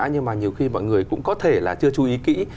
nhưng mà nhiều khi mọi người cũng có thể là chưa chú ý kỹ